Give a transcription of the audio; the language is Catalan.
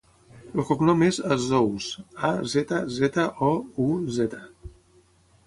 El cognom és Azzouz: a, zeta, zeta, o, u, zeta.